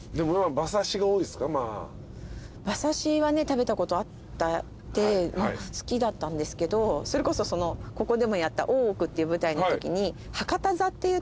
馬刺しはね食べたことあったんで好きだったんですけどそれこそここでもやった『大奥』っていう舞台のときに。